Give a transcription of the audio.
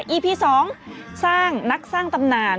อีพี๒สร้างนักสร้างตำนาน